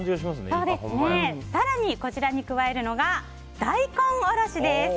更にこちらに加えるのが大根おろしです。